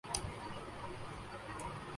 کن بیٹے کو ملنے والی